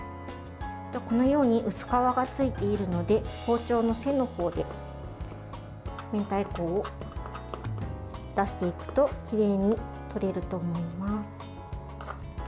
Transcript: このように薄皮がついているので包丁の背の方で明太子を出していくときれいに取れると思います。